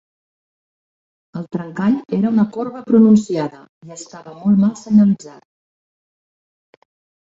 El trencall era una corba pronunciada, i estava molt mal senyalitzat.